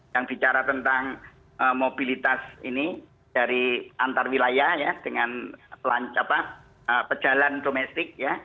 yang bicara tentang mobilitas ini dari antar wilayah dengan pejalan domestik ya